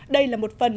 đây là một phần